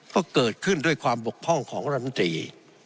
ก็เกิดขึ้นด้วยความบกพร่องของรำตรี